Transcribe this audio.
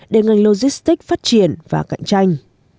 để ngành logistic phát triển và cạnh tranh